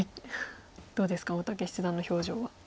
どうですか大竹七段の表情は。